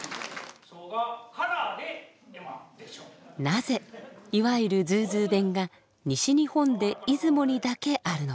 なぜいわゆるズーズー弁が西日本で出雲にだけあるのか。